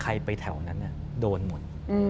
ใครไปแถวนั้นอะโดนหมด